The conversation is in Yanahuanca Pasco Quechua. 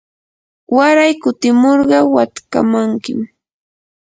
waray kutimurqa watkamankim.